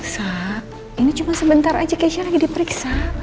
sa ini cuma sebentar aja keisha lagi diperiksa